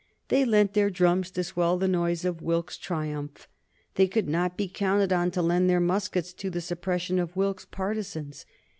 They lent their drums to swell the noise of Wilkes's triumph; they could not be counted on to lend their muskets to the suppression of Wilkes's partisans.